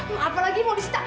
lu apa lagi mau disita